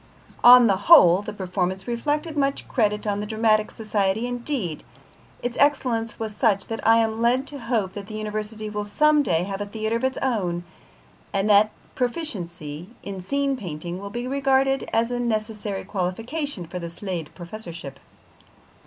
On the whole, the performance reflected much credit on the Dramatic Society; indeed, its excellence was such that I am led to hope that the University will some day have a theatre of its own, and that proficiency in scene painting will be regarded as a necessary qualification for the Slade Professorship.